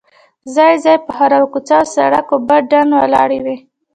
ځای ځای په هره کوڅه او سړ ک اوبه ډنډ ولاړې وې.